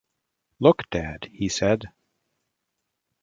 “Look, dad!” he said.